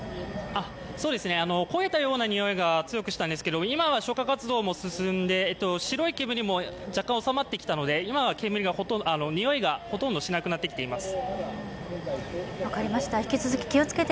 焦げたようなにおいが強くしたんですが、今は消火活動も進んで、白い煙も若干収まってきましたので今はにおいがほとんどしなくなってきています。